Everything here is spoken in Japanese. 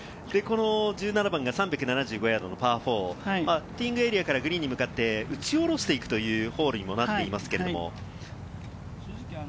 １７番が３７５ヤードのパー４、ティーイングエリアからグリーンに向かって打ち下ろしていくというホールにもなっています。